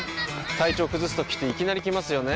体調崩すときっていきなり来ますよね。